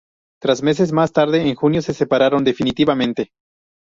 Tres meses más tarde, en junio, se separaron definitivamente.